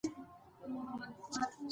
ژبه باید د تعلیم اصلي وسیله وي.